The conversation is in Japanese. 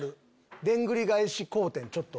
でんぐり返し＆後転ちょっと。